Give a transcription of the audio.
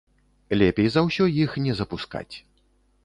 Лепей за ўсё іх не запускаць.